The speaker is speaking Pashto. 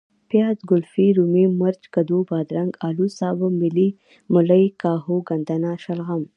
پیاز ،ګلفي ،رومي ،مرچ ،کدو ،بادرنګ ،الو ،سابه ،ملۍ ،کاهو ،ګندنه ،شلغم